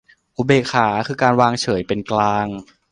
อุเบกขาคือการวางเฉยเป็นกลาง